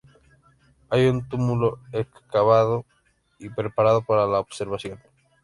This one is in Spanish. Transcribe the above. Hay un túmulo excavado y preparado para la observación.